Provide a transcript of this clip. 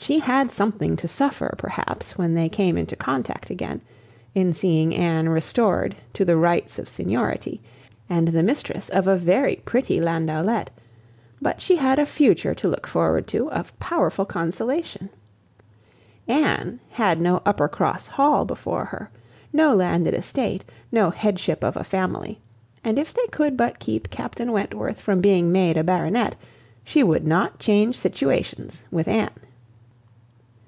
She had something to suffer, perhaps, when they came into contact again, in seeing Anne restored to the rights of seniority, and the mistress of a very pretty landaulette; but she had a future to look forward to, of powerful consolation. Anne had no Uppercross Hall before her, no landed estate, no headship of a family; and if they could but keep Captain Wentworth from being made a baronet, she would not change situations with Anne.